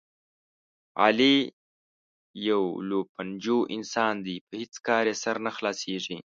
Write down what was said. علي یو للوپنجو انسان دی، په هېڅ کار یې سر نه خلاصېږي.